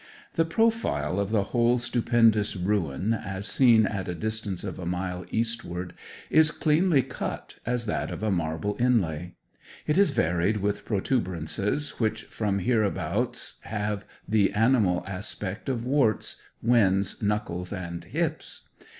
The profile of the whole stupendous ruin, as seen at a distance of a mile eastward, is cleanly cut as that of a marble inlay. It is varied with protuberances, which from hereabouts have the animal aspect of warts, wens, knuckles, and hips.